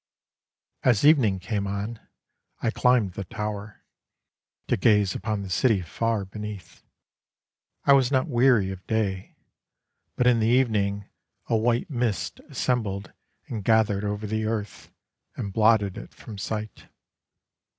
As evening came on, I climbed the tower, To gaze upon the city far beneath: I was not weary of day; but in the evening A white mist assembled and gathered over the earth And blotted it from sight.